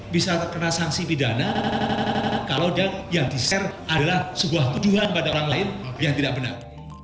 bisa terkena sanksi pidana kalau dia yang di share adalah sebuah tuduhan pada orang lain yang tidak benar